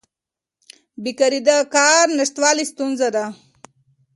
بیکاري د کار نشتوالي ستونزه ده.